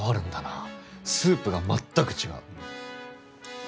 スープが全く違う。